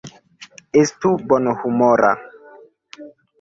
Estu bonhumora.